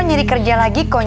nyari kerja lagi kau nya